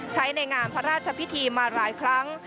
ใช้ในงานพระราชพิธีมาหลายครั้ง